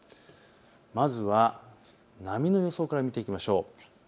まずは波の予想から見ていきましょう。